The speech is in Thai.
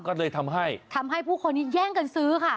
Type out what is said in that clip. ก็เลยทำให้ทำให้ผู้คนนี้แย่งกันซื้อค่ะ